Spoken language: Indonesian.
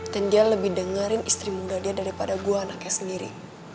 dan dia lebih dengerin istri muda dia daripada gue anaknya sendiri